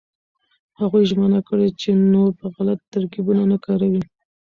هغوی ژمنه کړې چې نور به غلط ترکيبونه نه کاروي.